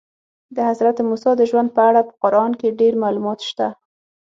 د حضرت موسی د ژوند په اړه په قرآن کې ډېر معلومات شته.